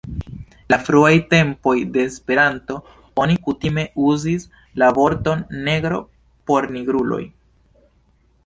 En la fruaj tempoj de Esperanto, oni kutime uzis la vorton negro por nigruloj.